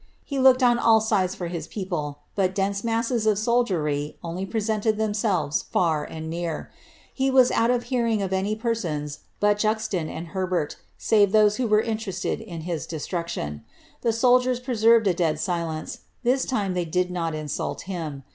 He looked on all sides for his people, but dense masses of soldiery only presented them selves far au(l near. He was out of hearing of any persons but Juxon and Herbert, save those who were interested in his destruction. The soldiers preserved a dead silence; this time they did not insult him.